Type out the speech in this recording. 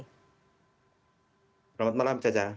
selamat malam caca